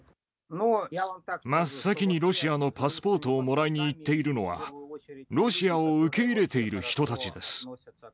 真っ先にロシアのパスポートをもらいに行っているのは、ロシアを受け入れている人たちです。